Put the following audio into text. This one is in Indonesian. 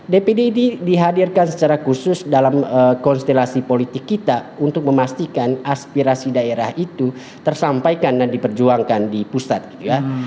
dpd ini dihadirkan secara khusus dalam konstelasi politik kita untuk memastikan aspirasi daerah itu tersampaikan dan diperjuangkan di pusat gitu ya